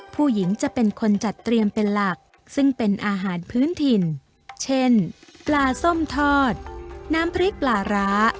ผู้หญิงจะเป็นคนจัดเตรียมเป็นหลักซึ่งเป็นอาหารพื้นถิ่นเช่นปลาส้มทอดน้ำพริกปลาร้า